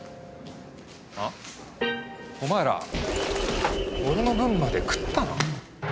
あっお前ら俺の分まで食ったな？